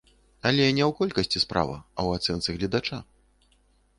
Але не ў колькасці справа, а ў ацэнцы гледача.